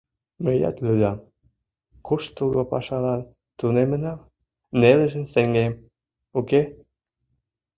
Мыят лӱдам: куштылго пашалан тунемынам, нелыжым сеҥем, уке?